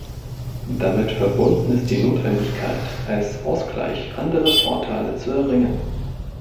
Damit verbunden ist die Notwendigkeit, als Ausgleich andere Vorteile zu erringen.